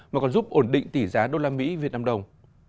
mà còn giúp ổn định tỷ giá đô la mỹ việt nam đồng